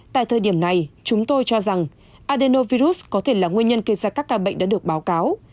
tại thời điểm này chúng tôi cho rằng adenovirus có thể là nguyên nhân gây ra các ca bệnh đã được báo cáo